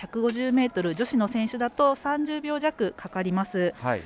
１５０ｍ女子の選手だと３０秒弱かかります。